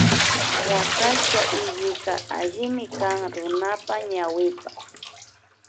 Rakacha hillika allimi kan runapa ñawipa